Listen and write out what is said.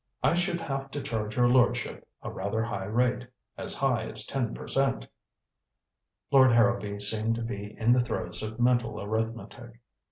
"I should have to charge your lordship a rather high rate. As high as ten per cent." Lord Harrowby seemed to be in the throes of mental arithmetic.